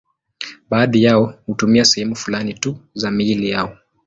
Baadhi yao hutumia sehemu fulani tu za miili yao.